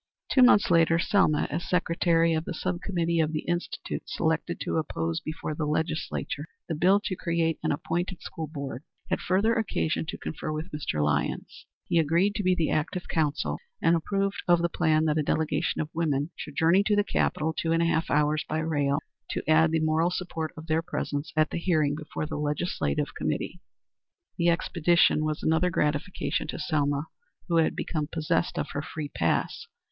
Two months later Selma, as secretary of the sub committee of the Institute selected to oppose before the legislature the bill to create an appointed school board, had further occasion to confer with Mr. Lyons. He agreed to be the active counsel, and approved of the plan that a delegation of women should journey to the capital, two hours and a half by rail, and add the moral support of their presence at the hearing before the legislative committee. The expedition was another gratification to Selma who had become possessed of her free pass.